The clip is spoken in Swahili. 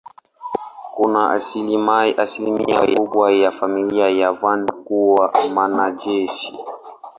Kuna asilimia kubwa ya familia ya Van kuwa wanajeshi.